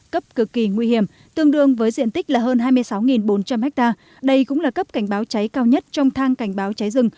cấp cực kỳ nguy hiểm tương đương với diện tích là hơn hai mươi sáu bốn trăm linh ha đây cũng là cấp cảnh báo cháy cao nhất trong thang cảnh báo cháy rừng